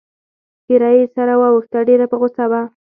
څېره يې سره واوښته، ډېره په غوسه وه.